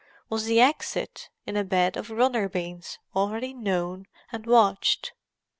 was the exit—in a bed of runner beans—already known and watched?